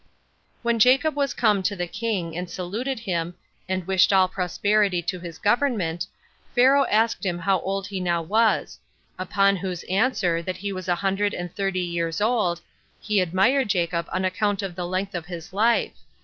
12 6. When Jacob was come to the king, and saluted him, and wished all prosperity to his government, Pharaoh asked him how old he now was; upon whose answer, that he was a hundred and thirty years old, he admired Jacob on account of the length of his life.